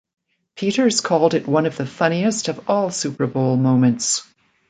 Peters called it one of the funniest of all Super Bowl moments.